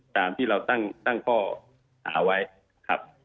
ตามที่เราตั้งข้อหาไว้ครับ